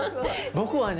僕はね